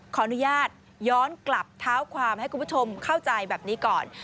ขออนุญาตย้อนกลับเท้าความให้คุณผู้ชมเข้าใจแบบนี้ก่อน